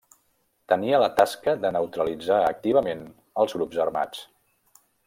Tenia la tasca de neutralitzar activament els grups armats.